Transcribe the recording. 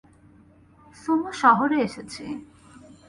Sumo শহরে এসেছি।